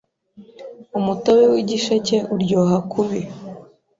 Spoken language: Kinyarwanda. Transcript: umutobe w igisheke uryoha kubi